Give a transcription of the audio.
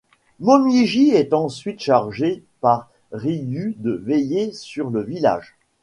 Momiji est ensuite chargée par Ryu de veiller sur le village.